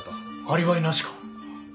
アリバイなしか？